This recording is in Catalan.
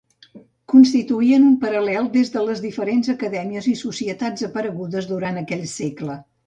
Constituïen un paral·lel de les diferents acadèmies i societats aparegudes durant aquell segle.